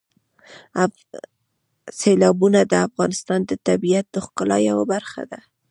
سیلابونه د افغانستان د طبیعت د ښکلا یوه برخه ده.